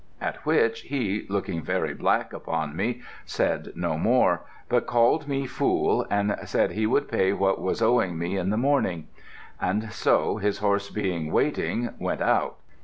At which he, looking very black upon me, said no more, but called me fool, and said he would pay what was owing me in the morning; and so, his horse being waiting, went out.